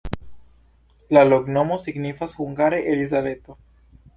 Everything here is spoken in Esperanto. La loknomo signifas hungare: Elizabeto.